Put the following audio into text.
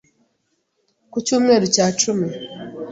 ku cyumweru cya cumi